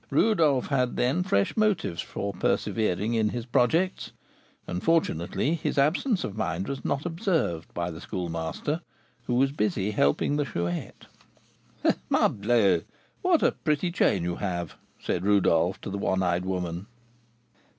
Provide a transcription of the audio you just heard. Rodolph had, then, fresh motives for persevering in his projects, and, fortunately, his absence of mind was not observed by the Schoolmaster, who was busy helping the Chouette. "Morbleu! What a pretty chain you have!" said Rodolph to the one eyed woman.